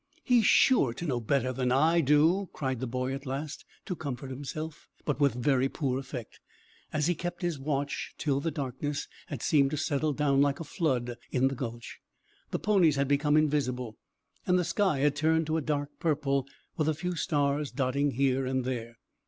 "He's sure to know better than I do," cried the boy at last, to comfort himself, but with very poor effect, as he kept his watch till the darkness had seemed to settle down like a flood in the gulch, the ponies had become invisible, and the sky had turned to a dark purple with a few stars dotting it here and there.